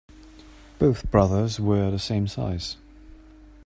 Both brothers wear the same size.